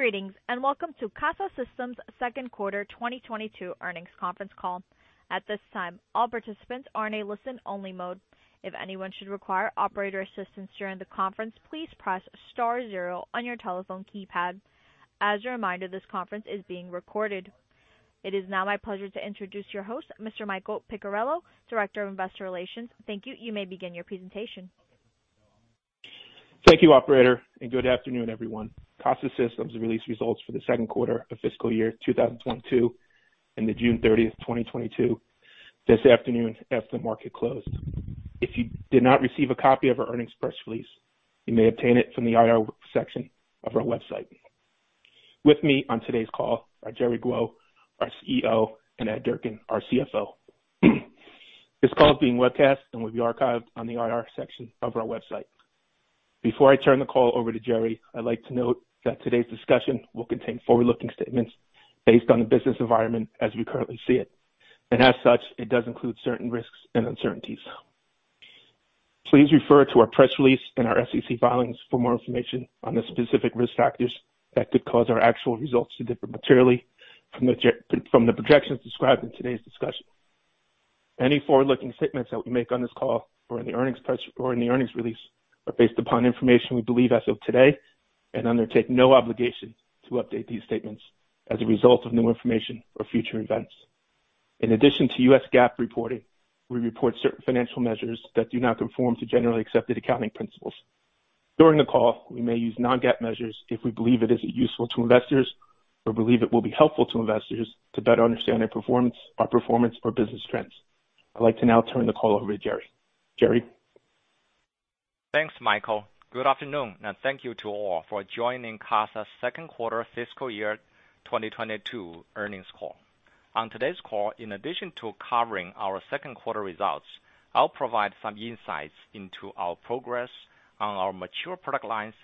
Greetings, and welcome to Casa Systems second quarter 2022 earnings conference call. At this time, all participants are in a listen-only mode. If anyone should require operator assistance during the conference, please press star zero on your telephone keypad. As a reminder, this conference is being recorded. It is now my pleasure to introduce your host, Mr. Michael Picariello, Director of Investor Relations. Thank you. You may begin your presentation. Thank you, operator, and good afternoon, everyone. Casa Systems released results for the second quarter of fiscal year 2022 and the June 30, 2022 this afternoon after the market closed. If you did not receive a copy of our earnings press release, you may obtain it from the IR section of our website. With me on today's call are Jerry Guo, our CEO, and Edward Durkin, our CFO. This call is being webcast and will be archived on the IR section of our website. Before I turn the call over to Jerry, I'd like to note that today's discussion will contain forward-looking statements based on the business environment as we currently see it. As such, it does include certain risks and uncertainties. Please refer to our press release and our SEC filings for more information on the specific risk factors that could cause our actual results to differ materially from the projections described in today's discussion. Any forward-looking statements that we make on this call or in the earnings release are based upon information we believe as of today and undertake no obligation to update these statements as a result of new information or future events. In addition to US GAAP reporting, we report certain financial measures that do not conform to generally accepted accounting principles. During the call, we may use non-GAAP measures if we believe it is useful to investors or believe it will be helpful to investors to better understand our performance or business trends. I'd like to now turn the call over to Jerry. Jerry? Thanks, Michael. Good afternoon, and thank you to all for joining Casa's second quarter fiscal year 2022 earnings call. On today's call, in addition to covering our second quarter results, I'll provide some insights into our progress on our mature product lines,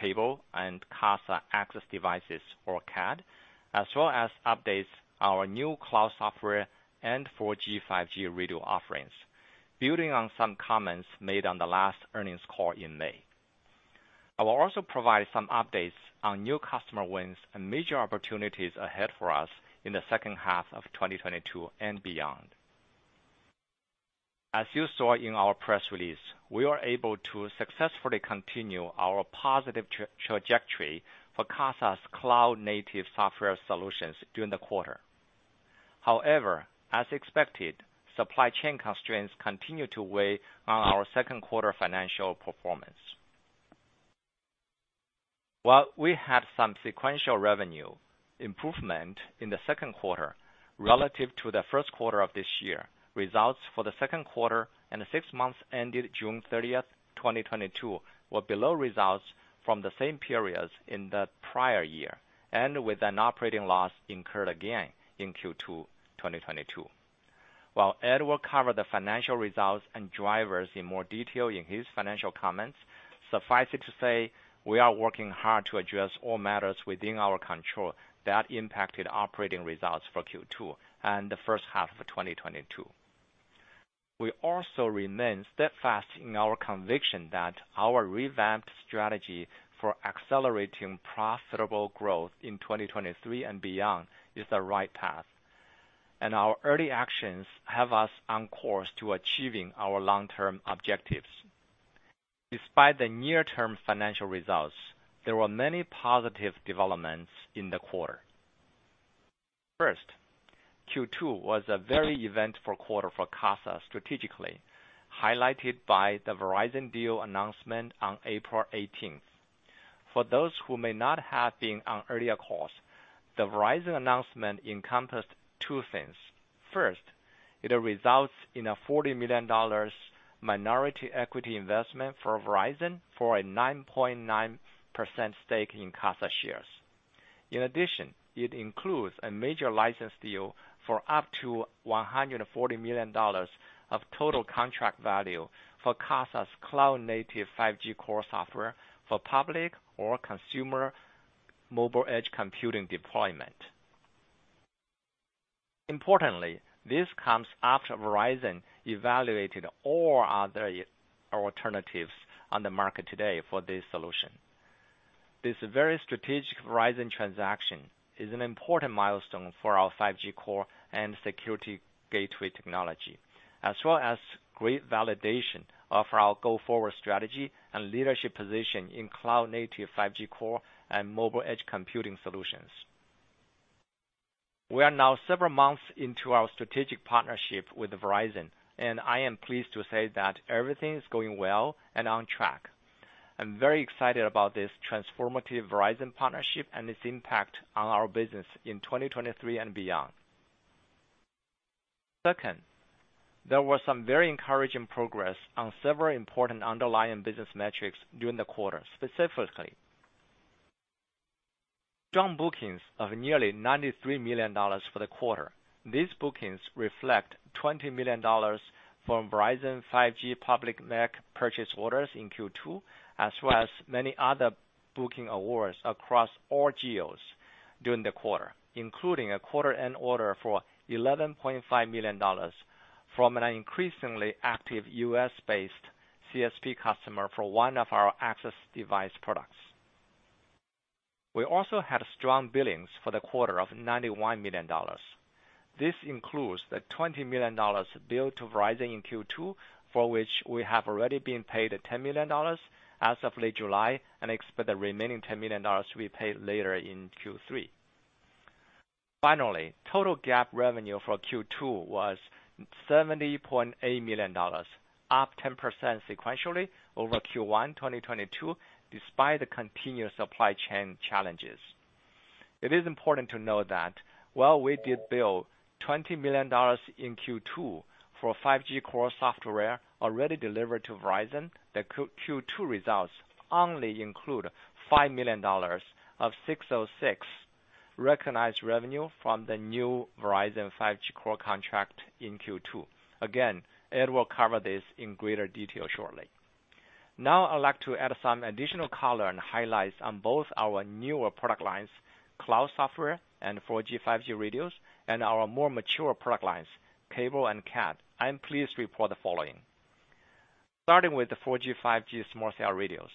cable and Casa access devices or CAD, as well as update on our new cloud-native software and 4G 5G radio offerings, building on some comments made on the last earnings call in May. I will also provide some updates on new customer wins and major opportunities ahead for us in the second half of 2022 and beyond. As you saw in our press release, we are able to successfully continue our positive trajectory for Casa's cloud-native software solutions during the quarter. However, as expected, supply chain constraints continue to weigh on our second quarter financial performance. While we had some sequential revenue improvement in the second quarter relative to the first quarter of this year, results for the second quarter and the six months ended June 30, 2022 were below results from the same periods in the prior year, and with an operating loss incurred again in Q2 2022. While Ed will cover the financial results and drivers in more detail in his financial comments, suffice it to say we are working hard to address all matters within our control that impacted operating results for Q2 and the first half of 2022. We also remain steadfast in our conviction that our revamped strategy for accelerating profitable growth in 2023 and beyond is the right path, and our early actions have us on course to achieving our long-term objectives. Despite the near-term financial results, there were many positive developments in the quarter. Q2 was a very eventful quarter for Casa strategically, highlighted by the Verizon deal announcement on April eighteenth. For those who may not have been on earlier calls, the Verizon announcement encompassed two things. First, it results in a $40 million minority equity investment from Verizon for a 9.9% stake in Casa shares. In addition, it includes a major license deal for up to $140 million of total contract value for Casa's cloud-native 5G core software for public or consumer mobile edge computing deployment. Importantly, this comes after Verizon evaluated all other alternatives on the market today for this solution. This very strategic Verizon transaction is an important milestone for our 5G core and security gateway technology, as well as great validation of our go-forward strategy and leadership position in cloud-native 5G core and mobile edge computing solutions. We are now several months into our strategic partnership with Verizon, and I am pleased to say that everything is going well and on track. I'm very excited about this transformative Verizon partnership and its impact on our business in 2023 and beyond. Second, there was some very encouraging progress on several important underlying business metrics during the quarter, specifically strong bookings of nearly $93 million for the quarter. These bookings reflect $20 million from Verizon 5G public MEC purchase orders in Q2, as well as many other booking awards across all geos. During the quarter, including a quarter-end order for $11.5 million from an increasingly active U.S.-based CSP customer for one of our access device products. We also had strong billings for the quarter of $91 million. This includes the $20 million billed to Verizon in Q2, for which we have already been paid $10 million as of late July, and expect the remaining $10 million to be paid later in Q3. Finally, total GAAP revenue for Q2 was $70.8 million, up 10% sequentially over Q1 2022, despite the continued supply chain challenges. It is important to note that while we did bill $20 million in Q2 for 5G core software already delivered to Verizon, the Q2 results only include $5 million of ASC 606 recognized revenue from the new Verizon 5G core contract in Q2. Again, Ed will cover this in greater detail shortly. I would like to add some additional color and highlights on both our newer product lines, cloud software and 4G, 5G radios, and our more mature product lines, cable and CAD. I am pleased to report the following. Starting with the 4G, 5G small cell radios.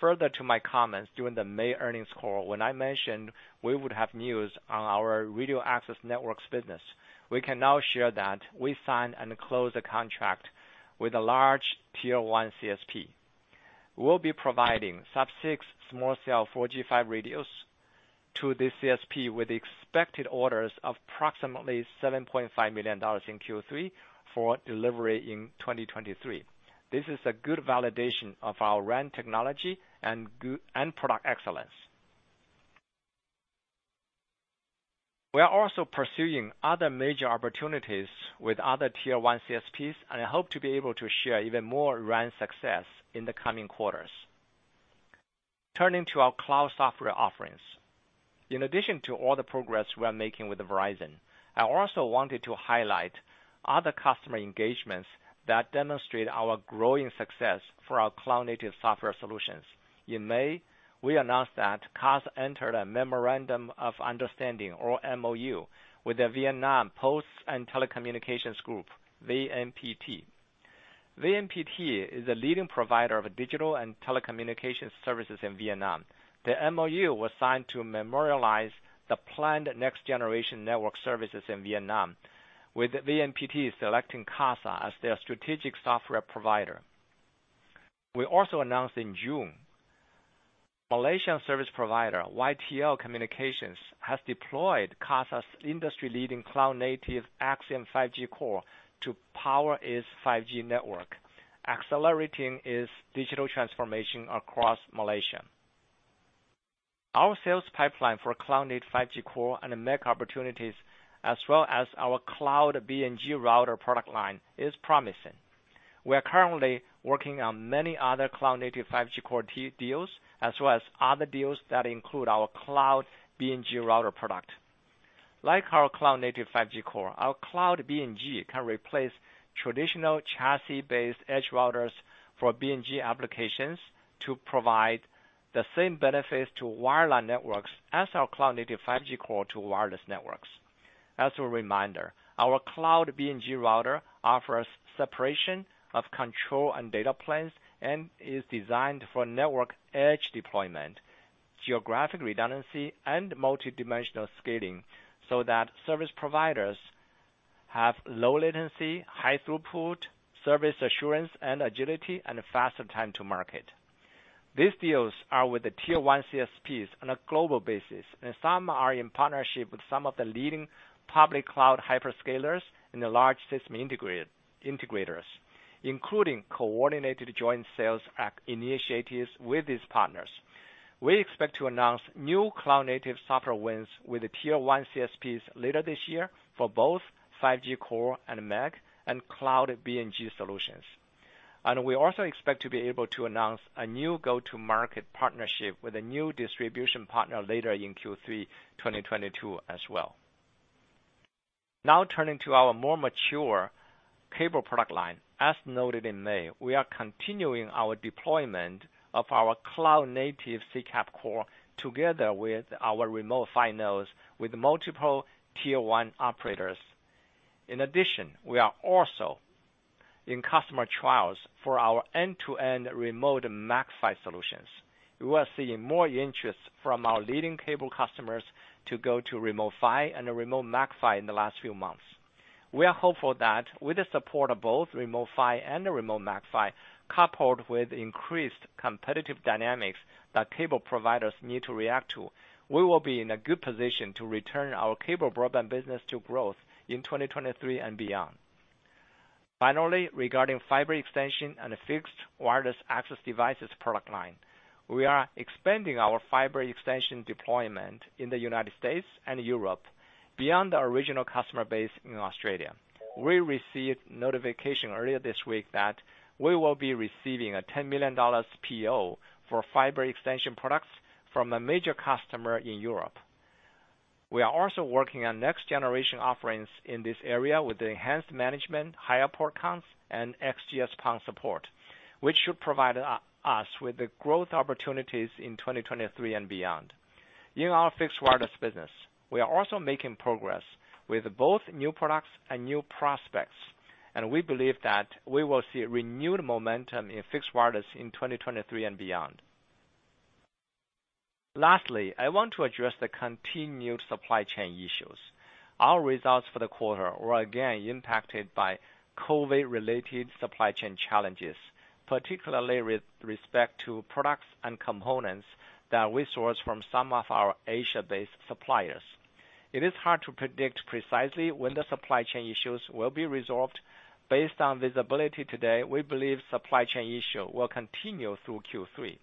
Further to my comments during the May earnings call, when I mentioned we would have news on our radio access networks business, we can now share that we signed and closed a contract with a large tier one CSP. We'll be providing sub-6 small cell 4G 5G radios to the CSP with expected orders of approximately $7.5 million in Q3 for delivery in 2023. This is a good validation of our RAN technology and product excellence. We are also pursuing other major opportunities with other tier one CSPs, and I hope to be able to share even more RAN success in the coming quarters. Turning to our cloud software offerings. In addition to all the progress we are making with Verizon, I also wanted to highlight other customer engagements that demonstrate our growing success for our cloud-native software solutions. In May, we announced that Casa entered a memorandum of understanding or MoU with the Vietnam Posts and Telecommunications Group, VNPT. VNPT is a leading provider of digital and telecommunications services in Vietnam. The MoU was signed to memorialize the planned next-generation network services in Vietnam with VNPT selecting Casa as their strategic software provider. We also announced in June, Malaysian service provider, YTL Communications, has deployed Casa's industry-leading cloud-native Axyom 5G core to power its 5G network, accelerating its digital transformation across Malaysia. Our sales pipeline for cloud-native 5G core and MEC opportunities, as well as our cloud BNG router product line is promising. We are currently working on many other cloud-native 5G core deals, as well as other deals that include our cloud BNG router product. Like our cloud-native 5G core, our cloud BNG can replace traditional chassis-based edge routers for BNG applications to provide the same benefits to wireless networks as our cloud-native 5G core to wireless networks. As a reminder, our cloud BNG router offers separation of control and data planes and is designed for network edge deployment, geographic redundancy, and multidimensional scaling, so that service providers have low latency, high throughput, service assurance and agility, and faster time to market. These deals are with the tier one CSPs on a global basis, and some are in partnership with some of the leading public cloud hyperscalers and the large system integrators, including coordinated joint sales activities with these partners. We expect to announce new cloud-native software wins with the tier one CSPs later this year for both 5G core and MEC and cloud BNG solutions. We also expect to be able to announce a new go-to-market partnership with a new distribution partner later in Q3 2022 as well. Now turning to our more mature cable product line. As noted in May, we are continuing our deployment of our cloud-native CCAP core together with our Remote PHY nodes with multiple tier one operators. In addition, we are also in customer trials for our end-to-end Remote MACPHY solutions. We are seeing more interest from our leading cable customers to go to Remote PHY and Remote MACPHY in the last few months. We are hopeful that with the support of both Remote PHY and Remote MACPHY, coupled with increased competitive dynamics that cable providers need to react to, we will be in a good position to return our cable broadband business to growth in 2023 and beyond. Finally, regarding fiber extension and fixed wireless access devices product line, we are expanding our fiber extension deployment in the United States and Europe beyond the original customer base in Australia. We received notification earlier this week that we will be receiving a $10 million PO for fiber extension products from a major customer in Europe. We are also working on next generation offerings in this area with the enhanced management, higher port counts, and XGS-PON support, which should provide us with the growth opportunities in 2023 and beyond. In our fixed wireless business, we are also making progress with both new products and new prospects, and we believe that we will see renewed momentum in fixed wireless in 2023 and beyond. Lastly, I want to address the continued supply chain issues. Our results for the quarter were again impacted by COVID-related supply chain challenges, particularly with respect to products and components that we source from some of our Asia-based suppliers. It is hard to predict precisely when the supply chain issues will be resolved. Based on visibility today, we believe supply chain issue will continue through Q3.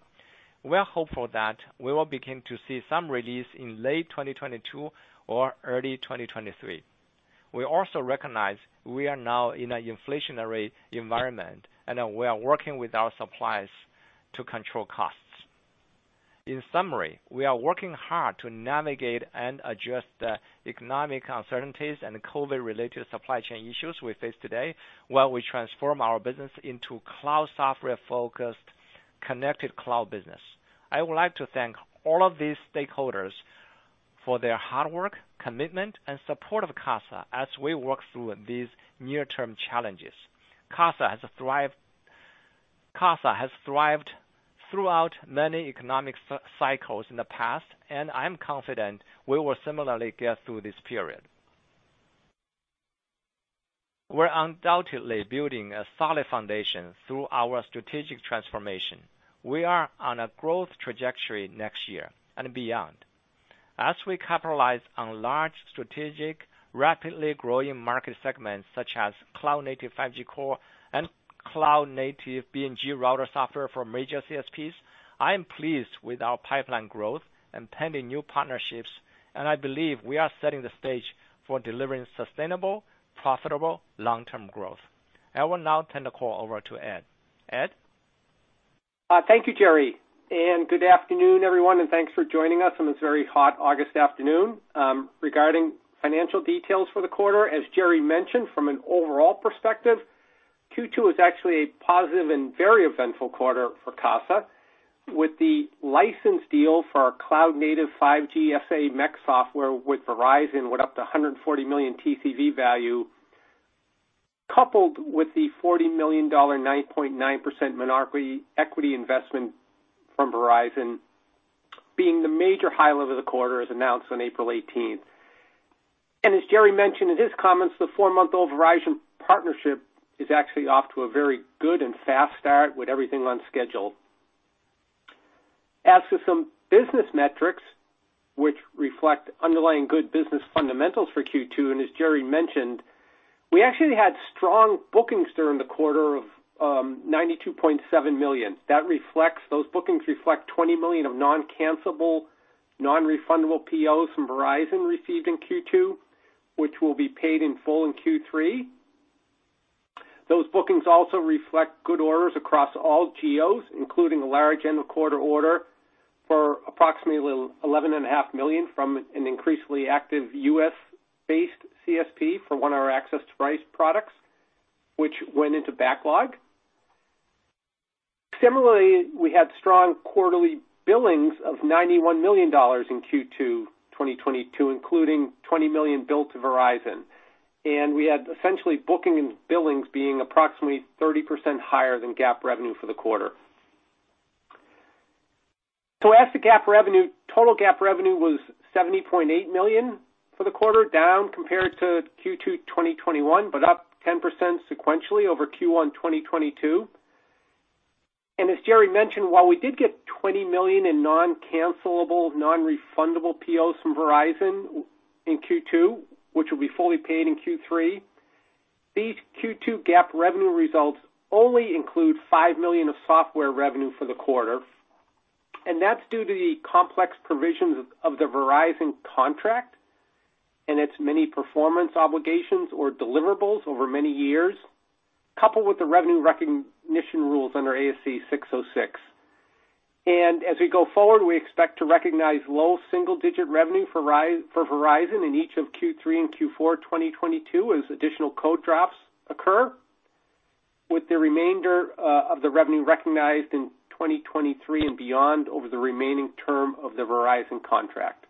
We are hopeful that we will begin to see some release in late 2022 or early 2023. We also recognize we are now in an inflationary environment, and we are working with our suppliers to control costs. In summary, we are working hard to navigate and address the economic uncertainties and COVID-related supply chain issues we face today while we transform our business into cloud software-focused connected cloud business. I would like to thank all of these stakeholders for their hard work, commitment, and support of Casa as we work through these near-term challenges. Casa has thrived throughout many economic cycles in the past, and I'm confident we will similarly get through this period. We're undoubtedly building a solid foundation through our strategic transformation. We are on a growth trajectory next year and beyond. As we capitalize on large strategic, rapidly growing market segments such as cloud-native 5G core and cloud-native BNG router software for major CSPs, I am pleased with our pipeline growth and pending new partnerships, and I believe we are setting the stage for delivering sustainable, profitable long-term growth. I will now turn the call over to Ed. Ed? Thank you, Jerry, and good afternoon, everyone, and thanks for joining us on this very hot August afternoon. Regarding financial details for the quarter, as Jerry mentioned, from an overall perspective, Q2 was actually a positive and very eventful quarter for Casa, with the license deal for our cloud-native 5G SA MEC software with Verizon, with up to $140 million TCV value, coupled with the $40 million, 9.9% minority equity investment from Verizon being the major highlight of the quarter as announced on April eighteenth. As Jerry mentioned in his comments, the four-month-old Verizon partnership is actually off to a very good and fast start with everything on schedule. As to some business metrics which reflect underlying good business fundamentals for Q2, and as Jerry mentioned, we actually had strong bookings during the quarter of $92.7 million. Those bookings reflect $20 million of non-cancellable, non-refundable POs from Verizon received in Q2, which will be paid in full in Q3. Those bookings also reflect good orders across all geos, including a large end-of-quarter order for approximately 11.5 million from an increasingly active US-based CSP for one of our access device products, which went into backlog. Similarly, we had strong quarterly billings of $91 million in Q2 2022, including $20 million billed to Verizon. We had essentially booking and billings being approximately 30% higher than GAAP revenue for the quarter. As to GAAP revenue, total GAAP revenue was $70.8 million for the quarter, down compared to Q2 2021, but up 10% sequentially over Q1 2022. As Jerry mentioned, while we did get $20 million in non-cancellable, non-refundable POs from Verizon within Q2, which will be fully paid in Q3, these Q2 GAAP revenue results only include $5 million of software revenue for the quarter, and that's due to the complex provisions of the Verizon contract and its many performance obligations or deliverables over many years, coupled with the revenue recognition rules under ASC 606. As we go forward, we expect to recognize low single-digit revenue for Verizon in each of Q3 and Q4 2022 as additional code drops occur, with the remainder of the revenue recognized in 2023 and beyond over the remaining term of the Verizon contract.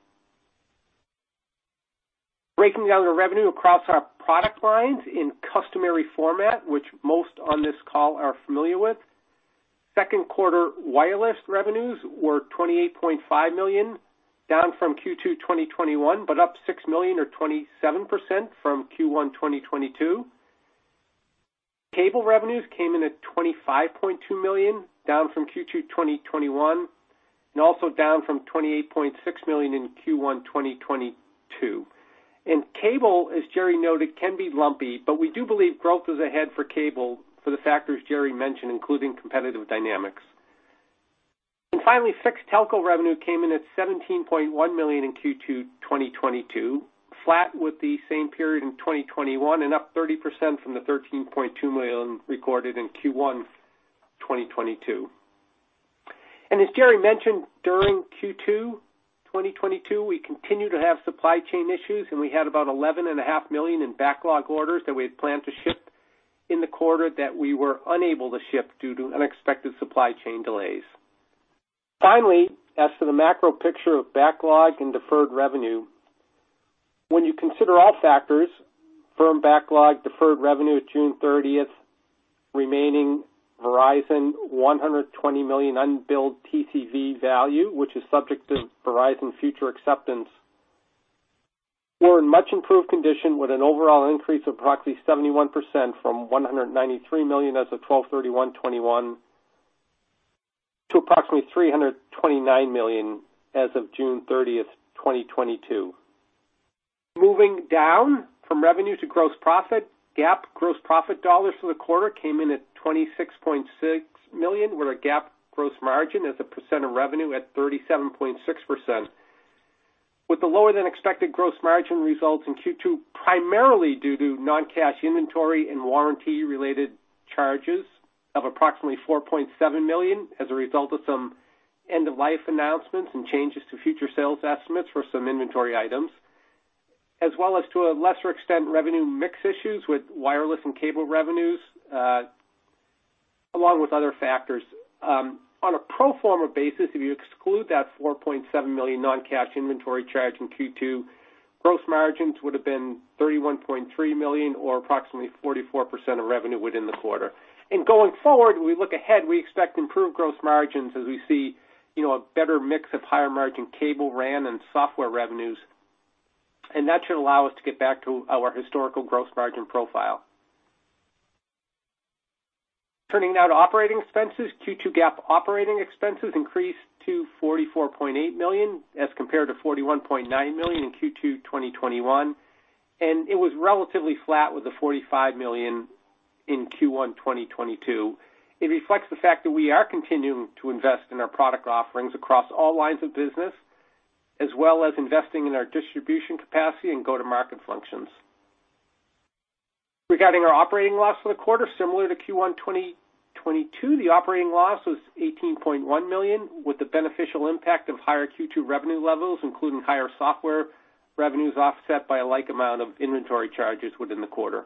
Breaking down the revenue across our product lines in customary format, which most on this call are familiar with, second quarter wireless revenues were $28.5 million, down from Q2 2021, but up $6 million or 27% from Q1 2022. Cable revenues came in at $25.2 million, down from Q2 2021 and also down from $28.6 million in Q1 2022. Cable, as Jerry noted, can be lumpy, but we do believe growth is ahead for cable for the factors Jerry mentioned, including competitive dynamics. Finally, fixed telco revenue came in at $17.1 million in Q2 2022, flat with the same period in 2021 and up 30% from the $13.2 million recorded in Q1 2022. As Jerry mentioned, during Q2 2022, we continue to have supply chain issues, and we had about $11.5 million in backlog orders that we had planned to ship in the quarter that we were unable to ship due to unexpected supply chain delays. Finally, as to the macro picture of backlog and deferred revenue, when you consider all factors from backlog, deferred revenue at June 30th, remaining Verizon $120 million unbilled TCV value, which is subject to Verizon future acceptance, we're in much improved condition with an overall increase of approximately 71% from $193 million as of 12/31/2021 to approximately $329 million as of June 30th, 2022. Moving down from revenue to gross profit, GAAP gross profit dollars for the quarter came in at $26.6 million, with our GAAP gross margin as a percent of revenue at 37.6%. With the lower than expected gross margin results in Q2, primarily due to non-cash inventory and warranty-related charges of approximately $4.7 million as a result of some end-of-life announcements and changes to future sales estimates for some inventory items, as well as to a lesser extent, revenue mix issues with wireless and cable revenues, along with other factors. On a pro forma basis, if you exclude that $4.7 million non-cash inventory charge in Q2, gross margins would have been $31.3 million or approximately 44% of revenue within the quarter. Going forward, we look ahead, we expect improved gross margins as we see, you know, a better mix of higher-margin cable RAN and software revenues, and that should allow us to get back to our historical gross margin profile. Turning now to operating expenses. Q2 GAAP operating expenses increased to $44.8 million as compared to $41.9 million in Q2 2021, and it was relatively flat with the $45 million in Q1 2022. It reflects the fact that we are continuing to invest in our product offerings across all lines of business, as well as investing in our distribution capacity and go-to-market functions. Regarding our operating loss for the quarter, similar to Q1 2022, the operating loss was $18.1 million, with the beneficial impact of higher Q2 revenue levels, including higher software revenues, offset by a like amount of inventory charges within the quarter.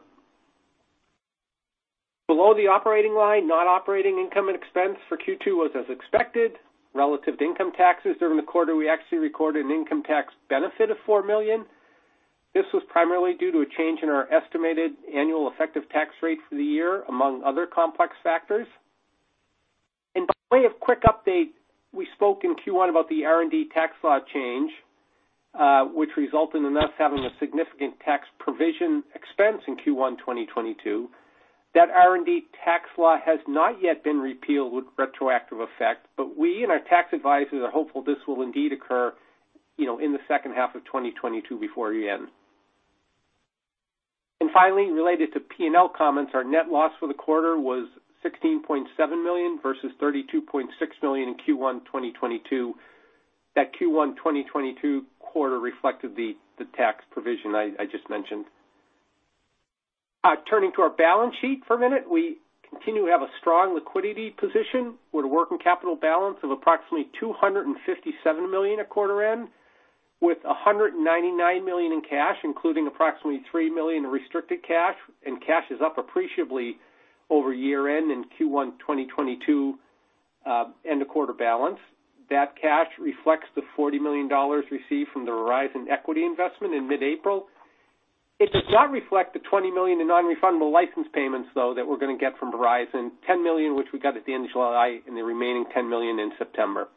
Below the operating line, non-operating income and expense for Q2 was as expected. Relative to income taxes during the quarter, we actually recorded an income tax benefit of $4 million. This was primarily due to a change in our estimated annual effective tax rate for the year, among other complex factors. By way of quick update, we spoke in Q1 about the R&D tax law change, which resulted in us having a significant tax provision expense in Q1 2022. That R&D tax law has not yet been repealed with retroactive effect, but we and our tax advisors are hopeful this will indeed occur, you know, in the second half of 2022 before year-end. Finally, related to P&L comments, our net loss for the quarter was $16.7 million versus $32.6 million in Q1 2022. That Q1 2022 quarter reflected the tax provision I just mentioned. Turning to our balance sheet for a minute. We continue to have a strong liquidity position with a working capital balance of approximately $257 million at quarter end, with $199 million in cash, including approximately $3 million in restricted cash, and cash is up appreciably over year-end in Q1 2022, end-of-quarter balance. That cash reflects the $40 million received from the Verizon equity investment in mid-April. It does not reflect the $20 million in non-refundable license payments, though, that we're gonna get from Verizon, $10 million which we got at the end of July and the remaining $10 million in September.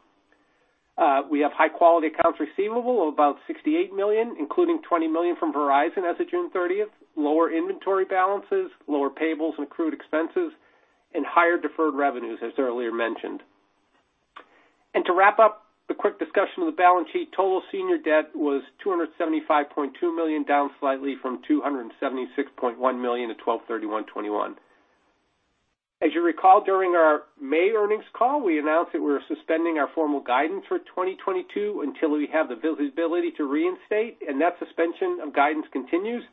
We have high-quality accounts receivable of about $68 million, including $20 million from Verizon as of June 30th, lower inventory balances, lower payables and accrued expenses, and higher deferred revenues, as earlier mentioned. To wrap up the quick discussion of the balance sheet, total senior debt was $275.2 million, down slightly from $276.1 million at 12/31/2021. As you recall, during our May earnings call, we announced that we were suspending our formal guidance for 2022 until we have the visibility to reinstate, and that suspension of guidance continues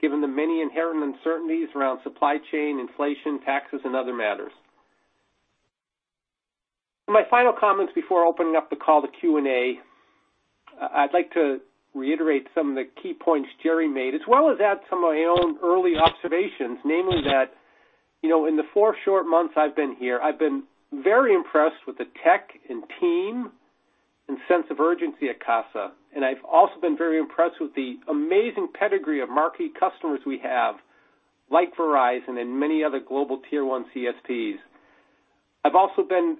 given the many inherent uncertainties around supply chain, inflation, taxes, and other matters. In my final comments before opening up the call to Q&A, I'd like to reiterate some of the key points Jerry made, as well as add some of my own early observations, namely that, you know, in the four short months I've been here, I've been very impressed with the tech and team and sense of urgency at Casa. I've also been very impressed with the amazing pedigree of marquee customers we have, like Verizon and many other global tier one CSPs. I've also been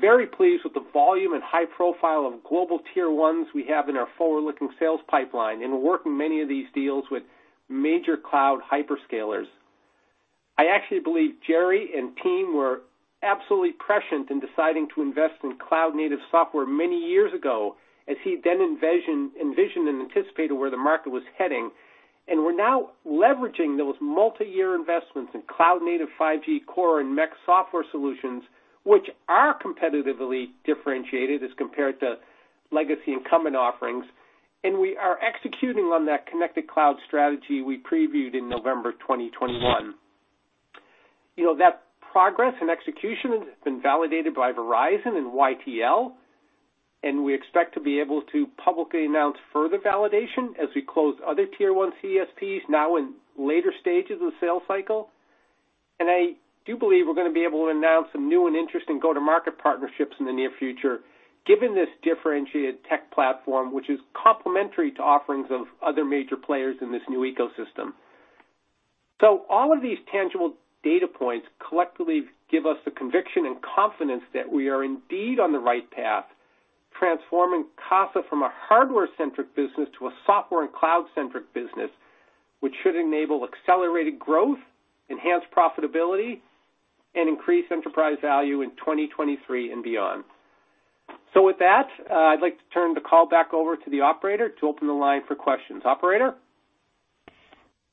very pleased with the volume and high profile of global tier ones we have in our forward-looking sales pipeline, and we're working many of these deals with major cloud hyperscalers. I actually believe Jerry and team were absolutely prescient in deciding to invest in cloud-native software many years ago, as he then envisioned and anticipated where the market was heading. We're now leveraging those multiyear investments in cloud-native 5G Core and MEC software solutions, which are competitively differentiated as compared to legacy incumbent offerings. We are executing on that connected cloud strategy we previewed in November 2021. You know, that progress and execution has been validated by Verizon and YTL, and we expect to be able to publicly announce further validation as we close other tier one CSPs now in later stages of the sales cycle. I do believe we're gonna be able to announce some new and interesting go-to-market partnerships in the near future, given this differentiated tech platform, which is complementary to offerings of other major players in this new ecosystem. All of these tangible data points collectively give us the conviction and confidence that we are indeed on the right path, transforming Casa from a hardware-centric business to a software and cloud-centric business, which should enable accelerated growth, enhanced profitability, and increase enterprise value in 2023 and beyond. With that, I'd like to turn the call back over to the operator to open the line for questions. Operator?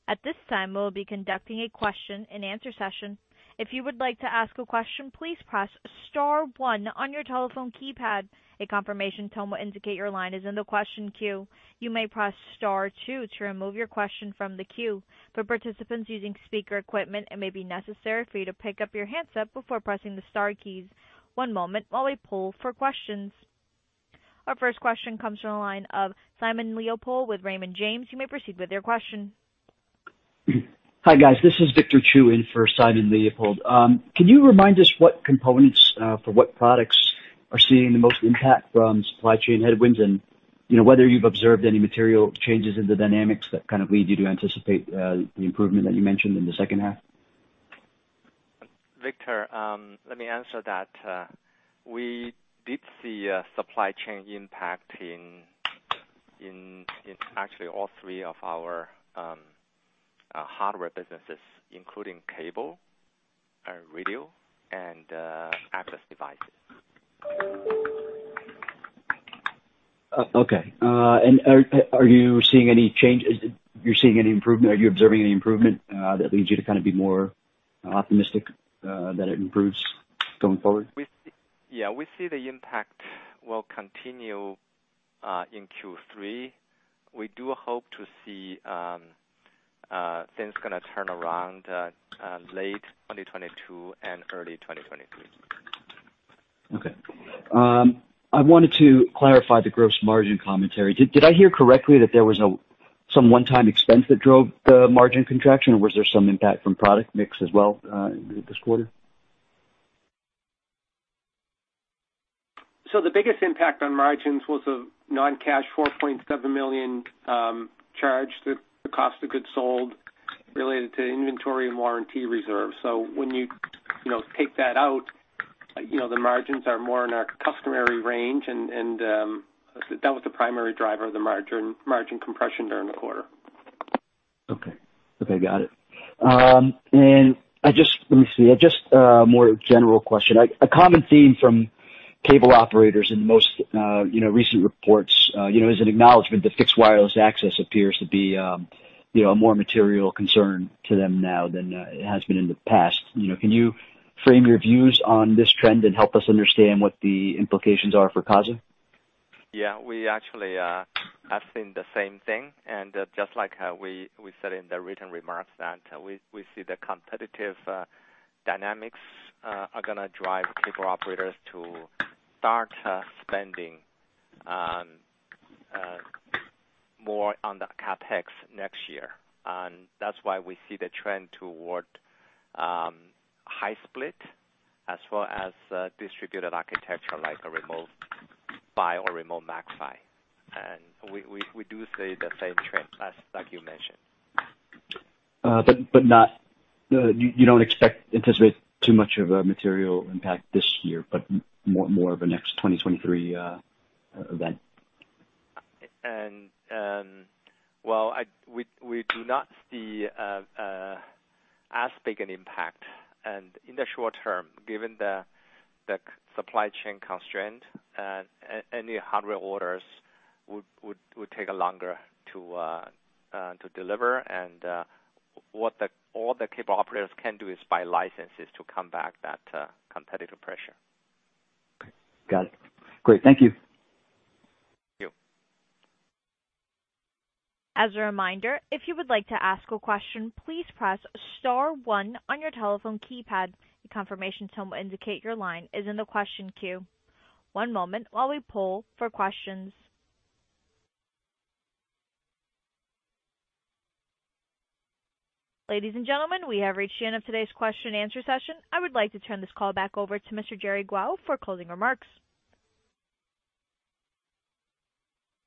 At this time, we'll be conducting a question-and-answer session. If you would like to ask a question, please press star one on your telephone keypad. A confirmation tone will indicate your line is in the question queue. You may press star two to remove your question from the queue. For participants using speaker equipment, it may be necessary for you to pick up your handset before pressing the star keys. One moment while we poll for questions. Our first question comes from the line of Simon Leopold with Raymond James. You may proceed with your question. Hi, guys. This is Victor Chiu in for Simon Leopold. Can you remind us what components for what products are seeing the most impact from supply chain headwinds and, you know, whether you've observed any material changes in the dynamics that kind of lead you to anticipate the improvement that you mentioned in the second half? Victor, let me answer that. We did see a supply chain impact in actually all three of our hardware businesses, including cable, our radio, and access devices. Okay. Are you observing any improvement that leads you to kinda be more optimistic that it improves going forward? We see the impact will continue in Q3. We do hope to see things gonna turn around late 2022 and early 2023. Okay. I wanted to clarify the gross margin commentary. Did I hear correctly that there was some one-time expense that drove the margin contraction? Or was there some impact from product mix as well, this quarter? The biggest impact on margins was a non-cash $4.7 million charge to the cost of goods sold related to inventory and warranty reserves. When you know, take that out, you know, the margins are more in our customary range. That was the primary driver of the margin compression during the quarter. Okay, got it. Just a more general question. A common theme from cable operators in most, you know, recent reports, you know, is an acknowledgement that Fixed Wireless Access appears to be, you know, a more material concern to them now than it has been in the past. You know, can you frame your views on this trend and help us understand what the implications are for Casa? Yeah. We actually have seen the same thing. Just like how we said in the written remarks that we see the competitive dynamics are gonna drive cable operators to start spending more on the CapEx next year. That's why we see the trend toward high-split as well as distributed architecture like a Remote PHY or a Remote MACPHY. We do see the same trend as like you mentioned. You don't expect, anticipate too much of a material impact this year, but more of a next 2023 event. We do not see as big an impact. In the short term, given the supply chain constraint, any hardware orders would take longer to deliver. All the cable operators can do is buy licenses to combat that competitive pressure. Okay, got it. Great. Thank you. Thank you. As a reminder, if you would like to ask a question, please press star one on your telephone keypad. A confirmation tone will indicate your line is in the question queue. One moment while we poll for questions. Ladies and gentlemen, we have reached the end of today's question-and-answer session. I would like to turn this call back over to Mr. Jerry Guo for closing remarks.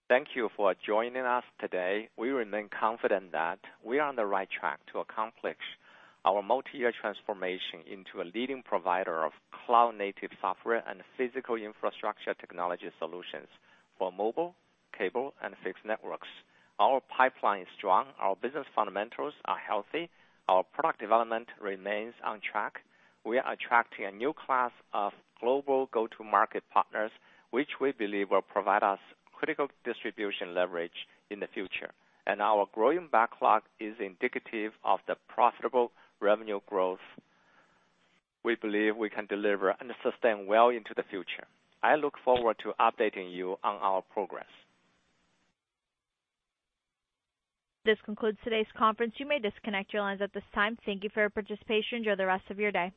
Thank you for joining us today. We remain confident that we are on the right track to accomplish our multi-year transformation into a leading provider of cloud-native software and physical infrastructure technology solutions for mobile, cable, and fixed networks. Our pipeline is strong. Our business fundamentals are healthy. Our product development remains on track. We are attracting a new class of global go-to-market partners, which we believe will provide us critical distribution leverage in the future. Our growing backlog is indicative of the profitable revenue growth we believe we can deliver and sustain well into the future. I look forward to updating you on our progress. This concludes today's conference. You may disconnect your lines at this time. Thank you for your participation. Enjoy the rest of your day.